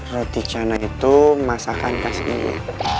roti canai itu masakan kasih ini